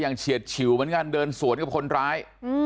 เฉียดฉิวเหมือนกันเดินสวนกับคนร้าย